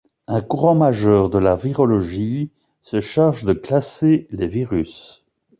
Un courant majeur de la virologie se charge de classer les virus.